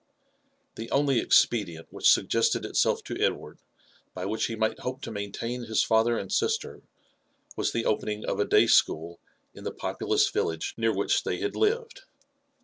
The only expedient which suggested itself to Edward by which he might hope to maintain his father and sister, was the opening a day school in the populous village near which they had lived.